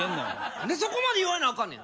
何でそこまで言われなあかんねん！